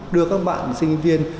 đưa các bạn sinh viên